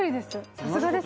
さすがです。